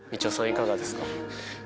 いかがですか？